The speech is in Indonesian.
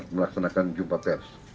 melaksanakan jumpa pers